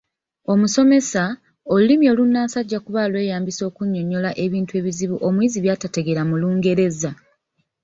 Omusomesa, olulimi olunnansi ajja kuba alweyambisa okunnyonnyola ebintu ebizibu omuyizi by'atategera mu Lungereza.